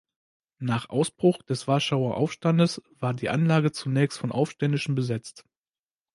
Nach Ausbruch des Warschauer Aufstandes war die Anlage zunächst von Aufständischen besetzt.